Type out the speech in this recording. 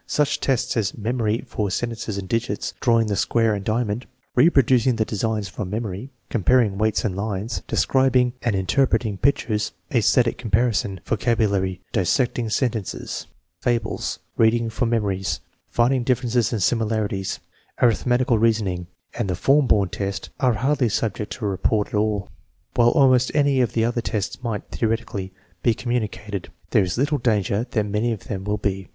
Such tests as memory for sentences and digits, drawing the square and diamond, reproducing the designs from memory, comparing weights and lines, describing and in terpreting pictures, aesthetic comparison, vocabulary, dis sected sentences, fables, reading for memories, finding differences and similarities, arithmetical reasoning, and the form board test, are hardly subject to report at all. While almost any of the other tests might, theoretically, be com municated, there is little danger that many of them will be.